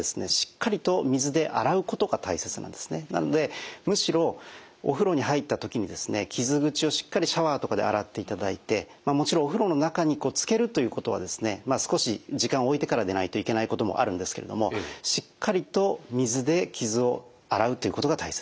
なのでなのでむしろお風呂に入った時に傷口をしっかりシャワーとかで洗っていただいてもちろんお風呂の中につけるということは少し時間を置いてからでないといけないこともあるんですけれどもしっかりと水で傷を洗うということが大切。